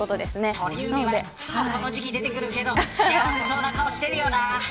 鳥海はいつもこの時季でてくるけど幸せそうな顔してるよな。